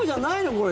これ。